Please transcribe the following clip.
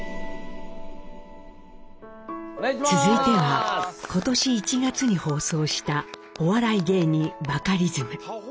続いては今年１月に放送したお笑い芸人バカリズム。